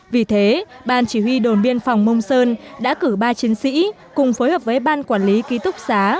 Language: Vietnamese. vì thế ban chỉ huy đồn biên phòng mông sơn đã cử ba chiến sĩ cùng phối hợp với ban quản lý ký túc xá